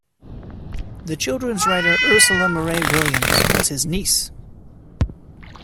The children's writer Ursula Moray Williams was his niece.